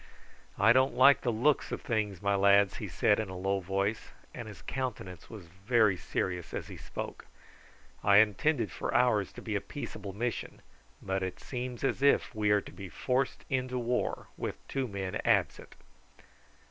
"I don't like the look of things, my lads," he said in a low voice, and his countenance was very serious as he spoke. "I intended for ours to be a peaceable mission, but it seems as if we are to be forced into war with two men absent."